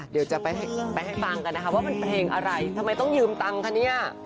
เดี๋ยวจะไปให้ฟังกันนะคะว่ามันเพลงอะไรทำไมต้องยืมตังค์คะเนี่ย